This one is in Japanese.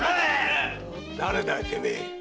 誰だいてめえ！